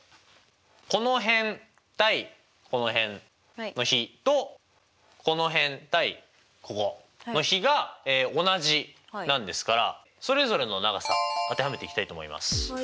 この辺対この辺の比とこの辺対ここの比が同じなんですからそれぞれの長さ当てはめていきたいと思います。